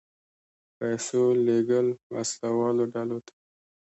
پیسو لېږل وسله والو ډلو ته.